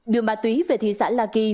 đưa ma túy về thị xã la kỳ